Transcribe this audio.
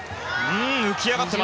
浮き上がっています！